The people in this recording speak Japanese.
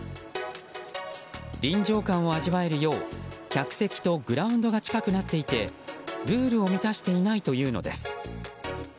臨場感を味わえるよう客席とグラウンドが近くなっていてルールを満たしていないというのです。